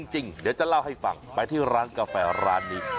เดี๋ยวจะเล่าให้ฟังไปที่ร้านกาแฟร้านนี้